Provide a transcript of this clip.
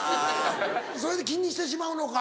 それで気にしてしまうのか。